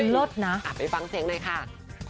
เลิศนะไปฟังเสียงหน่อยค่ะ